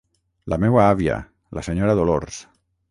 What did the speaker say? La meua àvia, la senyora Dolors.